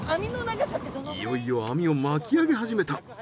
いよいよ網を巻き上げ始めた。